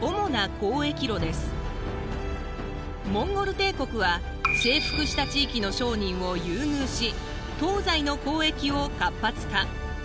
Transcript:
モンゴル帝国は征服した地域の商人を優遇し東西の交易を活発化。